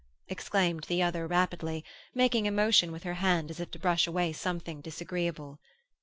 exclaimed the other rapidly, making a motion with her hand as if to brush away something disagreeable.